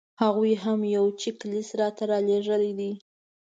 هغوی هم یو چیک لیست راته رالېږلی دی.